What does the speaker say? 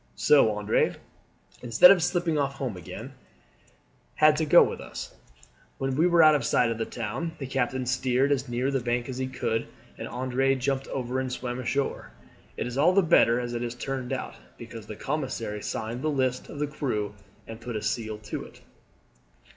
So Andre, instead of slipping off home again, had to go with us. When we were out of sight of the town the captain steered as near the bank as he could and Andre jumped over and swam ashore. It is all the better as it has turned out, because the commissary signed the list of the crew and put a seal to it."